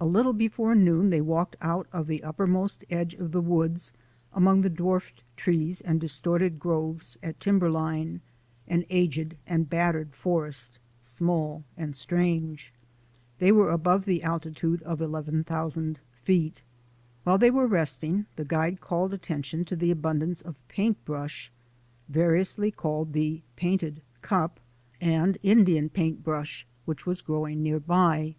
A little before noon they walked out of the up permost edge of the woods among the dwarfed trees and distorted groves at timberline — an aged and battered forest, small and strange. They were above the altitude of eleven thousand feet. While they were resting the guide called atten 190 THE ADVENTURES OF A NATURE GUIDE tion to the abundance of paint brush — variously called the painted cup and Indian paint brush — which was growing near by.